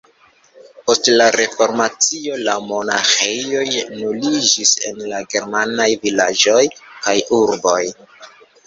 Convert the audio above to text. Post la Reformacio la monaĥejoj nuliĝis en la germanaj vilaĝoj kaj urboj.